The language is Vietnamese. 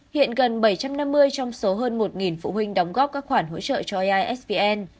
hiện gần bảy trăm năm mươi trong số hơn một phụ huynh đóng góp các khoản hỗ trợ cho isvn